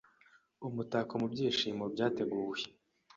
Umutako mubyishimo byateguwe